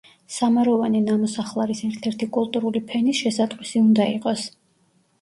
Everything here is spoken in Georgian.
სამაროვანი ნამოსახლარის ერთ-ერთი კულტურული ფენის შესატყვისი უნდა იყოს.